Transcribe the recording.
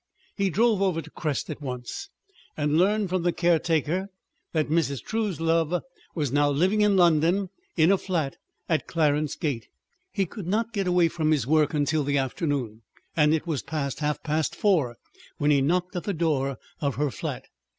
He drove over to the Crest at once and learned from the caretaker that Mrs. Truslove was now living in London in a flat at Clarence Gate. He could not get away from his work till the afternoon, and it was past half past four when he knocked at the door of her flat.